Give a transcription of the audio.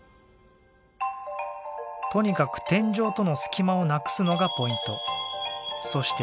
とにかく天井との隙間をなくすのがポイント。